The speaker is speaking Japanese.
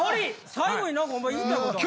最後に何かお前言いたいことある。